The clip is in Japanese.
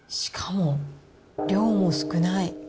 しかも、量も少ない。